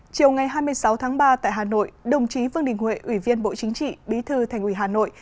chiều ngày hai mươi sáu tháng ba tại hà nội đồng chí vương đình huệ ủy viên bộ chính trị bí thư thành ủy hà nội